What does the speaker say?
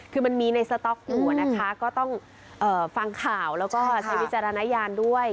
คือมันมีในสต๊อกอยู่นะคะก็ต้องฟังข่าวแล้วก็ใช้วิจารณญาณด้วย